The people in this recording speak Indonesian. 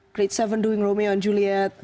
kelas tujuh melakukan romeo dan juliet